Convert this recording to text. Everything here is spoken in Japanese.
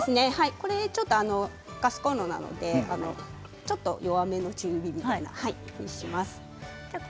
これがガスコンロなのでちょっと弱めの中火ぐらいですね。